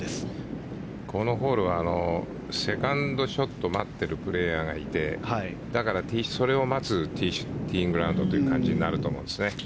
このホールはセカンドショットを待ってるプレーヤーがいてだからそれを待つティーインググラウンドという感じになると思います。